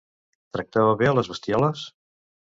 Tractava bé a les bestioles?